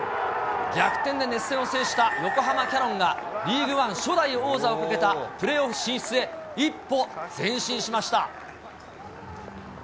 逆転で熱戦を制した横浜キヤノンが、リーグワン初代王座をかけたプレーオフ進出へ、一歩前進しました。